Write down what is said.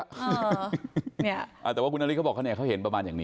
แต่ว่าคุณนาริสเขาบอกเขาเนี่ยเขาเห็นประมาณอย่างนี้